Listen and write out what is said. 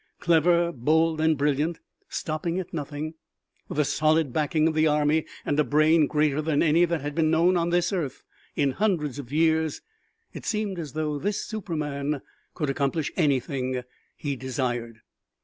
Clever, bold and brilliant, stopping at nothing, with the solid backing of the army and a brain greater than any that has been known on this earth in hundreds of years, it seemed as though this superman could accomplish anything he desired.